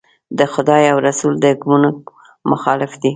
د خدای او رسول د حکمونو مخالف دي.